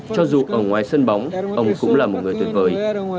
cho dù ở ngoài sân bóng ông cũng là một người tuyệt vời